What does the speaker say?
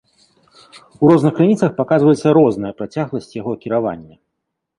У розных крыніцах паказваецца розная працягласць яго кіравання.